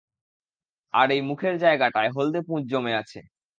আর এই মুখের জায়গাটায় হলদে পুঁজ জমে আছে।